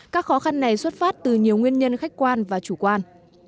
các khó khăn này xuất phát từ nhiều nguyên nhân khách quan và chủ quan